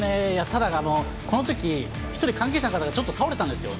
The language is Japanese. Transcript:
ただ、このとき、１人関係者の方、ちょっと倒れたんですよ。